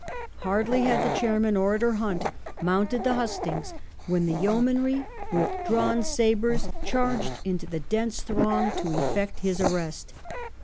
Hardly had the chairman, "Orator" Hunt, mounted the hustings when the Yeomanry with drawn sabres charged into the dense throng to effect his arrest.